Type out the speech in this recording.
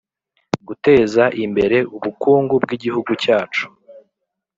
guteza imbere ubukungu bw igihugu cyacu